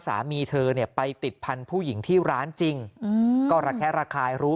สามีเธอเนี่ยไปติดพันธุ์ผู้หญิงที่ร้านจริงก็ระแคะระคายรู้